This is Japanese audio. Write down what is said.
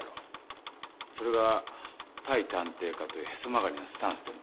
それが対探偵課というへそ曲がりなスタンスでもだ。